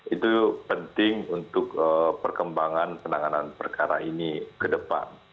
itu penting untuk perkembangan penanganan perkara ini ke depan